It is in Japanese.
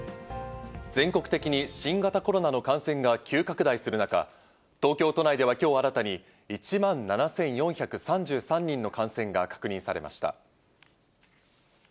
全国的に新型コロナの感染が急拡大する中、東京都内ではきょう新たに、１万７４３３人の感染が確認されました。